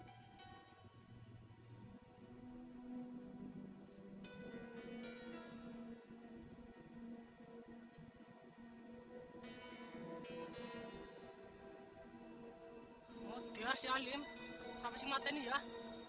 aku pun mah